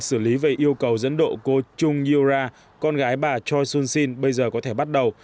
xử lý về yêu cầu dẫn độ cô chung yoo ra con gái bà choi soon sin bây giờ có thể bắt đầu